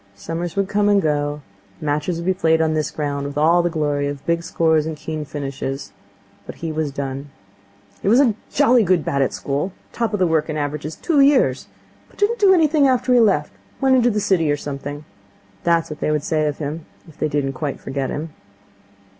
Summers would come and go, matches would be played on this ground with all the glory of big scores and keen finishes; but he was done. 'He was a jolly good bat at school. Top of the Wrykyn averages two years. But didn't do anything after he left. Went into the city or something.' That was what they would say of him, if they didn't quite forget him.